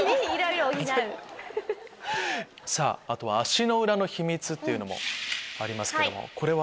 さぁあとは「足の裏のヒミツ」っていうのもありますけどもこれは？